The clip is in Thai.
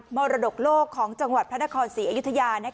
มรดกโลกของจังหวัดพระนครศรีอยุธยา